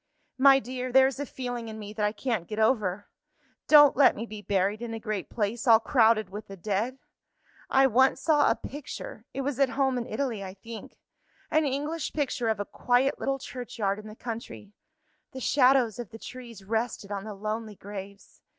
My dear, there is a feeling in me that I can't get over. Don't let me be buried in a great place all crowded with the dead! I once saw a picture it was at home in Italy, I think an English picture of a quiet little churchyard in the country. The shadows of the trees rested on the lonely graves.